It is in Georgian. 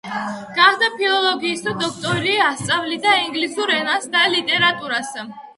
გახდა ფილოლოგიის დოქტორი, ასწავლიდა ინგლისურ ენასა და ლიტერატურას.